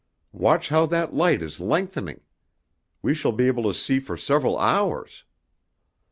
"Watch how that light is lengthening! We shall be able to see for several hours."